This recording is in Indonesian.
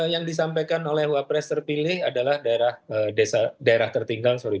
yang disampaikan oleh hua press terpilih adalah daerah tertinggal